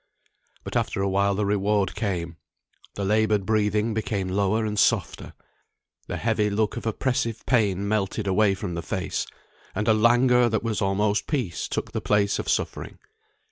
But after awhile the reward came. The laboured breathing became lower and softer, the heavy look of oppressive pain melted away from the face, and a languor that was almost peace took the place of suffering.